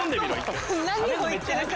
何を言ってるか。